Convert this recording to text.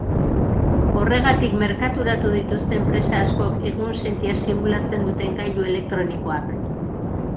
Horregatik merkaturatu dituzte enpresa askok egunsentia simulatzen duten gailu elektronikoak.